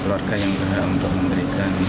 keluarga yang berhampiran untuk memberi